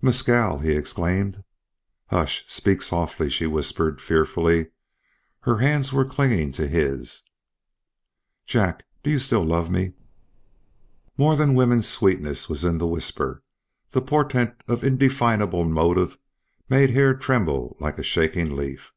"Mescal!" he exclaimed. "Hush! Speak softly," she whispered fearfully. Her hands were clinging to his. "Jack, do you love me still?" More than woman's sweetness was in the whisper; the portent of indefinable motive made Hare tremble like a shaking leaf.